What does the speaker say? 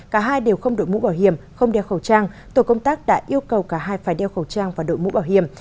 cả hai đều không đội mũ bảo hiểm không đeo khẩu trang tổ công tác đã yêu cầu cả hai phải đeo khẩu trang và đội mũ bảo hiểm